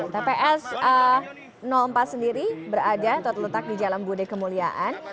tps empat sendiri berada atau terletak di jalan bude kemuliaan